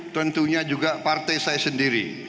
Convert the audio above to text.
tentunya juga partai saya sendiri